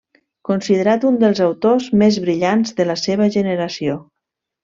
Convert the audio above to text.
Considerat un dels autors més brillants de la seva generació.